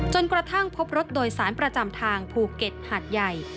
กระทั่งพบรถโดยสารประจำทางภูเก็ตหาดใหญ่